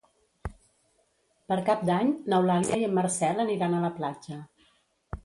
Per Cap d'Any n'Eulàlia i en Marcel aniran a la platja.